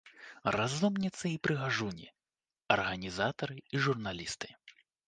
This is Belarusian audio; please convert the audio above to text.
Разумніцы і прыгажуні, арганізатары і журналісты.